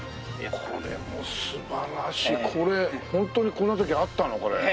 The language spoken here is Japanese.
これ本当にこんな時あったの？